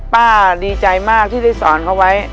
ป้าดีใจมากที่ได้สอนเขาไว้